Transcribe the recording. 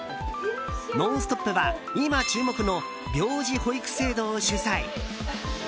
「ノンストップ！」は今注目の病児保育制度を取材。